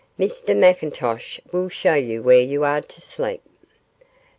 Mr McIntosh will show you where you are to sleep.